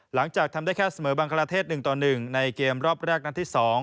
หลังจากทำได้แค่เสมอบังคลาเทศ๑ต่อ๑ในเกมรอบแรกนัดที่๒